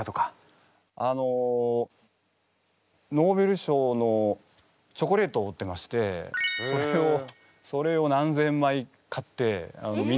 あのノーベル賞のチョコレートを売ってましてそれを何千枚買ってみんなに。